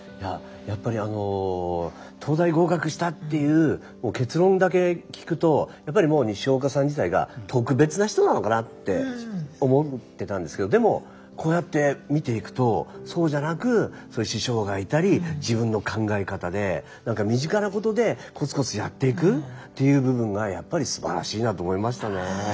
やっぱり東大合格したっていう結論だけ聞くとやっぱりもう西岡さん自体が特別な人なのかなって思ってたんですけどでもこうやって見ていくとそうじゃなく師匠がいたり自分の考え方で身近なことでコツコツやっていくっていう部分がやっぱりすばらしいなと思いましたね